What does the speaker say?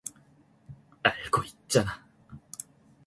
알고 있잖아.